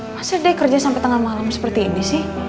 masa deh kerja sampai tengah malam seperti ini sih